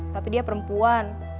tapi dia perempuan